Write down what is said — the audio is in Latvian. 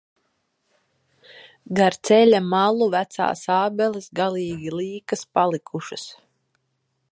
Gar ceļa malu vecās ābeles galīgi līkas palikušas.